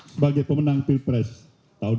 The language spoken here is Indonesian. sebagai pemenang pilpres tahun dua ribu dua puluh empat